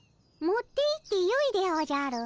持っていってよいでおじゃる。